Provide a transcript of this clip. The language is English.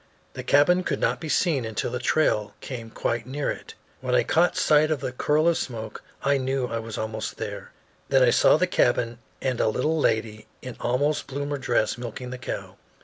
The cabin could not be seen until the trail came quite near it. When I caught sight of a curl of smoke I knew I was almost there. Then I saw the cabin and a little lady in almost bloomer dress milking the cow.